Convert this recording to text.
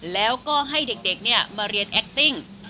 แล้วก็ให้เด็กมาเรียนแอคติ้ง